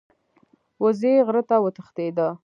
وزې غره ته وتښتیده.